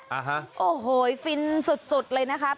อ่าฮะโอ้โหยฟินสุดสุดเลยนะคะ